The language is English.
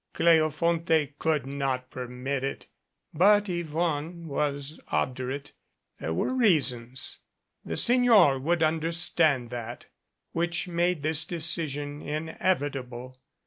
Cleofonte could not permit it. But Yvonne was obdurate. There were reasons the Signor would understand that which made this decision inevitable.